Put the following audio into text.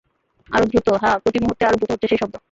আরো দ্রুত, হ্যাঁ প্রতি মুহুর্তে আরো দ্রুত হচ্ছে সেই শব্দ।